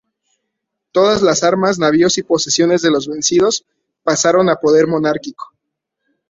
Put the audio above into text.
Todas las armas, navíos y posesiones de los vencidos pasaron a poder monárquico.